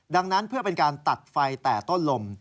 ดังนั้นเพื่อเป็นการตัดไฟแต่ต้นลม